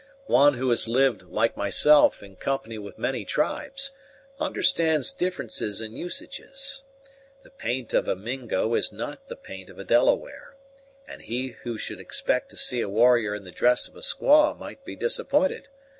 One who has lived, like myself, in company with many tribes, understands differences in usages. The paint of a Mingo is not the paint of a Delaware; and he who should expect to see a warrior in the dress of a squaw might be disappointed.